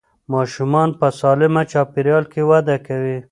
ماشومان په سالمه چاپېریال کې وده کوي.